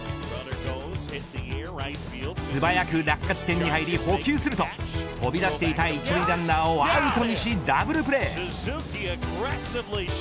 素早く落下して捕球すると飛び出していた１塁ランナーをアウトにし、ダブルプレー。